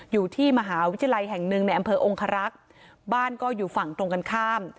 อยู่ที่มหาวิทยาลัยแห่งหนึ่งในอำเภอองคารักษ์บ้านก็อยู่ฝั่งตรงกันข้าม